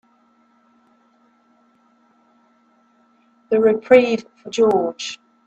The reprieve for George.